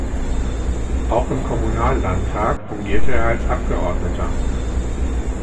Auch im Kommunallandtag fungierte er als Abgeordneter.